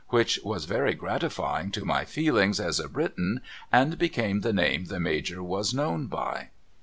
' which was very gratifying to my feelings as a Briton and became the name the Major was known by.